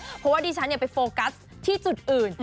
เพราะว่าดิฉันไปโฟกัสที่จุดอื่น